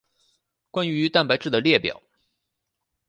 关于蛋白质的列表。